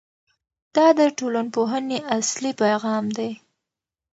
دا د ټولنپوهنې اصلي پیغام دی.